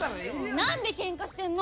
何でケンカしてんの？